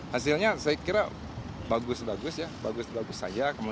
hasilnya saya kira bagus bagus ya bagus bagus saja